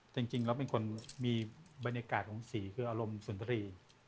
แต่จริงเราเป็นคนมีบรรยากาศของสีคืออารมณ์สนตรี